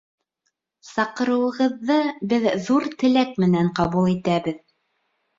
Саҡырыуығыҙҙы беҙ ҙур теләк менән ҡабул итәбеҙ